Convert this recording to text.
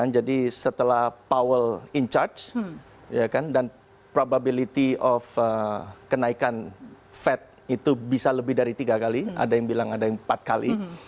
jadi setelah powell in charge dan probability of kenaikan fed itu bisa lebih dari tiga kali ada yang bilang ada yang empat kali